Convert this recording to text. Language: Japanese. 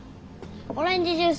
オレンジジュース。